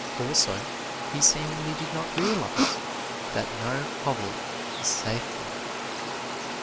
Also, he seemingly did not realize "that no hovel is safe from it."